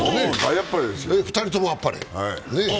２人ともあっぱれ。